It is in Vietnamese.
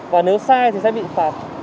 và nếu sai thì sẽ bị phạt